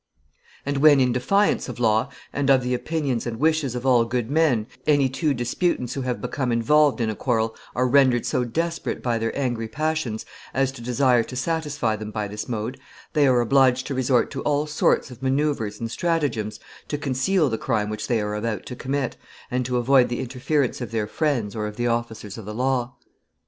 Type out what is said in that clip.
And when, in defiance of law, and of the opinions and wishes of all good men, any two disputants who have become involved in a quarrel are rendered so desperate by their angry passions as to desire to satisfy them by this mode, they are obliged to resort to all sorts of manoeuvres and stratagems to conceal the crime which they are about to commit, and to avoid the interference of their friends or of the officers of the law.